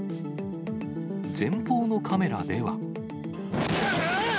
前方のカメラでは。